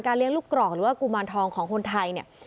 เลี้ยงลูกกรอกหรือว่ากุมารทองของคนไทยเนี่ย